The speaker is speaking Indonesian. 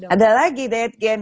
ada lagi diet gen